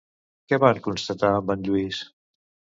Què van constatar amb en Lluís?